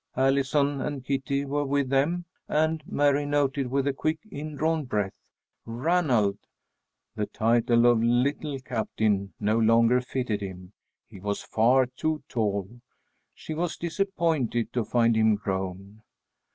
Allison and Kitty were with them, and Mary noted with a quick indrawn breath Ranald. The title of Little Captain no longer fitted him. He was far too tall. She was disappointed to find him grown.